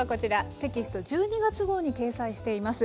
テキスト１２月号に掲載しています。